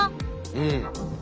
うん。